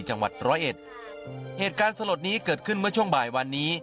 จังหวัดร้อยเอ็ดเหตุการณ์สลดนี้เกิดขึ้นเมื่อช่วงบ่ายวันนี้